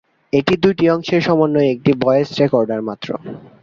এটি দুইটি অংশের সমন্বয়ে একটি ভয়েস রেকর্ডার মাত্র।